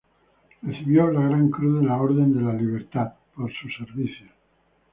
Recibió la Gran Cruz de la Orden de la Libertad por sus servicios.